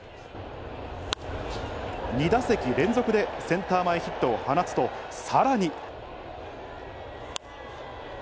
２打席連続でセンター前ヒットを放つと、さらに。